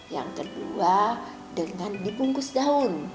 yang kedua dengan dibungkus daun